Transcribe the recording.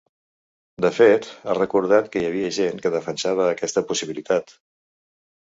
De fet, ha recordat que hi havia gent que defensava aquesta possibilitat.